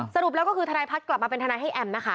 สรุปแล้วก็คือทนายพัฒน์กลับมาเป็นทนายให้แอมนะคะ